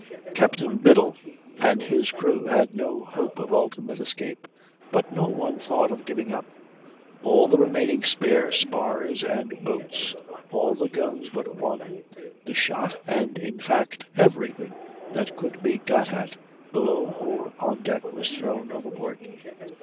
Captain Biddle and his crew had no hope of ultimate escape, but no one thought of giving up. All the remaining spare spars and boats, all the guns but one, the shot, and in fact every thing that could be got at, below or on deck, was thrown overboard.